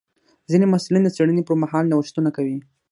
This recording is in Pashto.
ځینې محصلین د څېړنې پر مهال نوښتونه کوي.